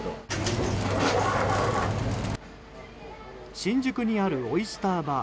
新宿にあるオイスターバー。